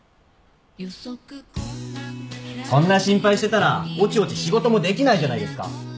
そんな心配してたらおちおち仕事もできないじゃないですか。